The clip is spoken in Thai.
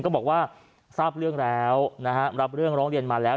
ก็บอกว่าทราบเรื่องแล้วนะฮะรับเรื่องร้องเรียนมาแล้ว